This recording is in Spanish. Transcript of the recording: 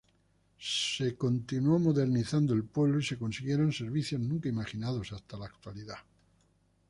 Se continuó modernizando el pueblo y se consiguieron servicios nunca imaginados hasta la actualidad.